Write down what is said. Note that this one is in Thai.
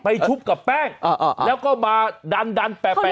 ไปชุบกับแป้งอ่าอ่าแล้วก็มาดันดันแปะแปะเอาไว้